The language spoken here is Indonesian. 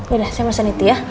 udah saya pesen itu ya